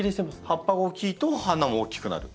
葉っぱが大きいと花も大きくなる。